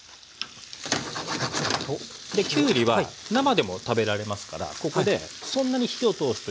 きゅうりは生でも食べられますからここでそんなに火を通すというよりもあっためる。